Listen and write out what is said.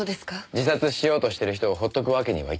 自殺しようとしてる人をほっとくわけにはいきません。